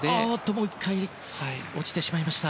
もう１回落ちてしまいました。